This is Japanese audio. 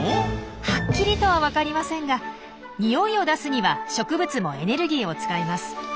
はっきりとはわかりませんが匂いを出すには植物もエネルギーを使います。